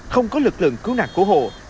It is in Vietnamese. không có lực lượng cứu nạn của hồ